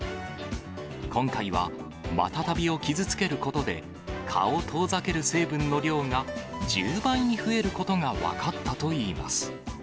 今回は、またたびを傷つけることで、蚊を遠ざける成分の量が１０倍に増えることが分かったといいます。